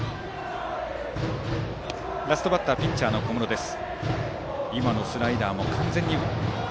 ラストバッターはピッチャーの小室です。